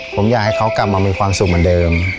ผมอยากให้เขากลับมามีความสุขเหมือนเดิม